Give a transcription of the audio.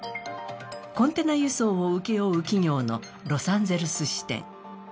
コンテナ輸送を請け負う企業のロサンゼルス支店。